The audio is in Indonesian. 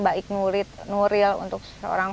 baik nuril untuk seorang